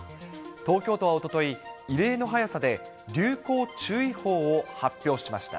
東京都はおととい、異例の早さで流行注意報を発表しました。